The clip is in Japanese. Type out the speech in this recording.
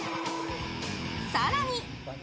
更に。